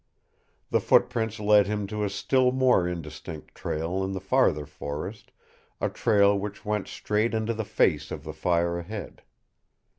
The footprints led him to a still more indistinct trail in the farther forest, a trail which went straight into the face of the fire ahead.